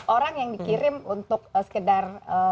orang yang dikirim untuk sekedar